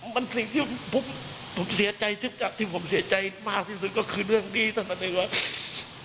มันสิ่งที่ผมเสียใจที่ผมเสียใจมากที่สุดก็คือเรื่องนี้ท่านมานึกว่า